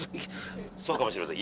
そうかもしれません。